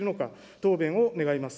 答弁を願います。